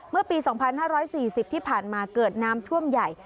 เมื่อปี๒๕๔๐ที่ผ่านมาเกิดน้ำท่วมใหญ่